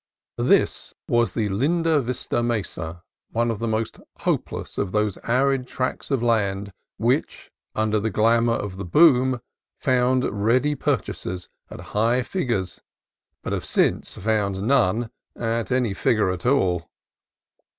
This was the Linda Vista Mesa, one of the most hopeless of those arid tracts of land which under the glamour of the "boom" found ready purchasers at high figures, but have since found none at any figure at all.